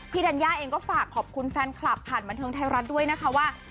ธัญญาเองก็ฝากขอบคุณแฟนคลับผ่านบันเทิงไทยรัฐด้วยนะคะว่า